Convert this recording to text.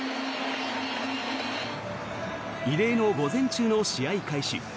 異例の午前中の試合開始。